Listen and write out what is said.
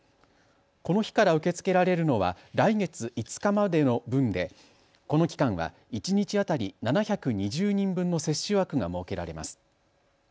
この日から受け付けられるのは来月５日までの分でこの期間は一日当たり７２０人分の接種枠が設けられます。